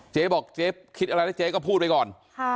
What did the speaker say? เจ๊บอกเจ๊คิดอะไรแล้วเจ๊ก็พูดไปก่อน